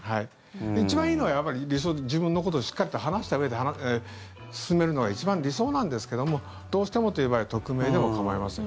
一番いいのは、やっぱり理想は自分のことをしっかりと話したうえで進めるのが一番理想なんですけどもどうしてもという場合匿名でも構いません。